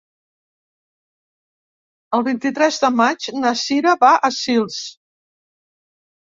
El vint-i-tres de maig na Sira va a Sils.